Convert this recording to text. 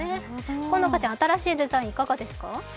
好花ちゃん、新しいデザイン、いかがですか？